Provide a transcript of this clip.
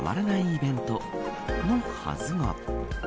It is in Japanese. イベントのはずが。